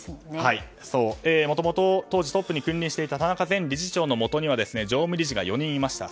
もともと当時トップに君臨していた田中前理事長のもとには常務理事が４人いました。